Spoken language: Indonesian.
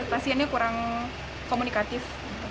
pasiennya kurang komunikatif